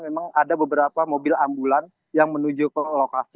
memang ada beberapa mobil ambulan yang menuju ke lokasi